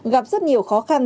gặp rất nhiều khó khăn